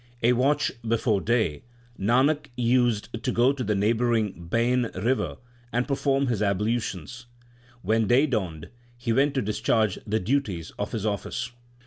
A watch before day, Nanak used to go to the neighbouring Bein river and perform his ablutions. When day dawned, he went to dis charge the duties of his office.